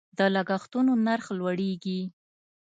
د لګښتونو نرخ لوړیږي.